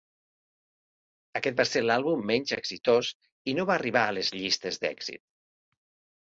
Aquest va ser l'àlbum menys exitós i no va arribar a les "Llistes d'èxit".